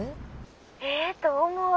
ええと思う！